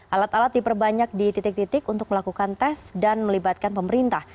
alat alat diperbanyak di titik titik untuk melakukan tes dan melibatkan pemerintah